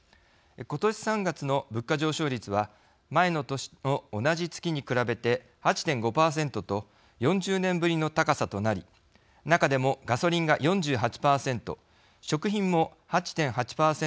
ことし３月の物価上昇率は前の年の同じ月に比べて８．５％と４０年ぶりの高さとなり中でもガソリンが４８％食品も８．８％と大幅に上昇。